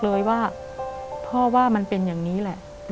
แต่ขอให้เรียนจบปริญญาตรีก่อน